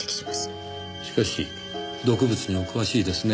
しかし毒物にお詳しいですね